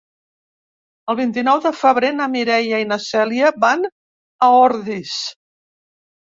El vint-i-nou de febrer na Mireia i na Cèlia van a Ordis.